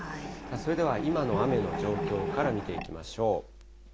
それでは今の雨の状況から見ていきましょう。